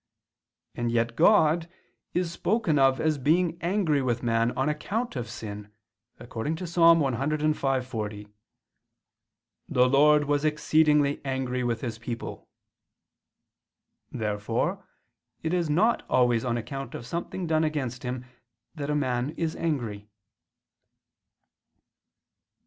And yet God is spoken of as being angry with man on account of sin, according to Ps. 105:40: "The Lord was exceedingly angry with His people." Therefore it is not always on account of something done against him, that a man is angry.